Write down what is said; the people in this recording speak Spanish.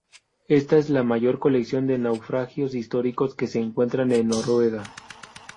Esta es la mayor colección de naufragios históricos que se encuentran en Noruega.